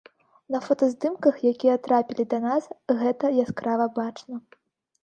На фотаздымках, якія трапілі да нас, гэта яскрава бачна.